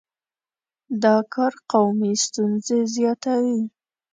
دا کار قومي ستونزې زیاتوي.